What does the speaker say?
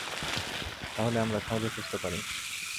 তাহলে আমরা সহজেই খুঁজতে পারি।